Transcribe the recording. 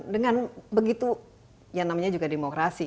dengan begitu yang namanya juga demokrasi